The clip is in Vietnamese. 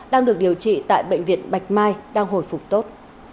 đang được điều trị tại bệnh viện bạch mai đang hồi phục tốt